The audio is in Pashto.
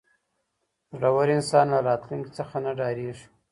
زړور انسان له راتلونکي څخه نه ډاریږي.